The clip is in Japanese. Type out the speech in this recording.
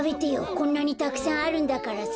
こんなにたくさんあるんだからさ。